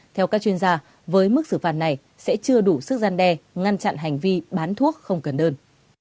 theo các chuyên gia với mức xử phạt này sẽ chưa đủ sức gian đe ngăn chặn hành vi bán thuốc không cần đơn